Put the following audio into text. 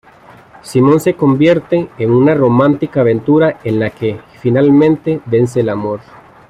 Simon, se convierte en una romántica aventura en la que, finalmente, vence el amor.